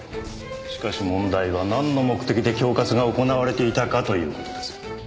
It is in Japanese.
しかし問題はなんの目的で恐喝が行われていたかという事です。